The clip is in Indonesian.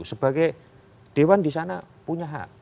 sebagai dewan di sana punya hak